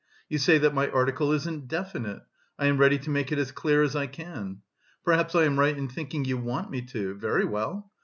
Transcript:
You say that my article isn't definite; I am ready to make it as clear as I can. Perhaps I am right in thinking you want me to; very well.